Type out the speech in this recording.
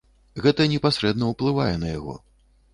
Гэта непасрэдна ўплывае на яго.